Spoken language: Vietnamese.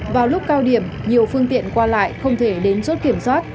vào lúc cao điểm nhiều phương tiện qua lại không thể đến chốt kiểm soát